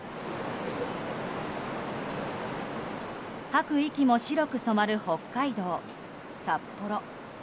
吐く息も白く染まる北海道札幌。